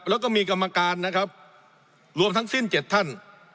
แล้วก็มีกรรมการนะครับรวมทั้งสิ้น๗ท่าน